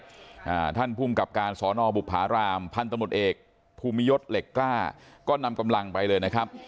อ่าท่านภูมิกับการสอนอบุภารามพันธมตเอกภูมิยศเหล็กกล้าก็นำกำลังไปเลยนะครับ